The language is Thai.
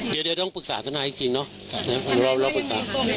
คุณชะมันก็จะมีการฟ้องกับหรืออะไรอย่างไหนบ้าง